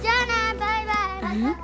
バイバイ！